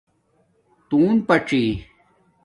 تون پاڅی